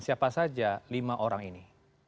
siapa saja lima orang ini